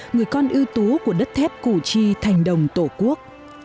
người con ưu tú của đất thép củ chi thành đồng tổ quốc